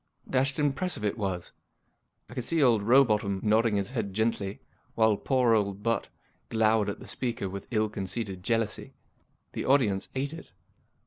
Dashed impressive it was. I could see old Row botham nodding his head gently, while poor old Butt glowered at the speaker with ill concealed jealousy. The audience ate it.